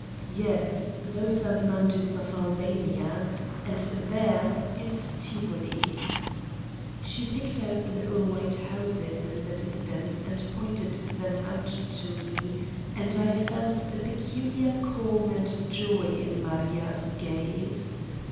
"Yes, those are the mountains of Albania. And there is Tivoli." She picked out little white houses in the distance and pointed them out to me and I felt a peculiar calm and joy in Maria's gaze.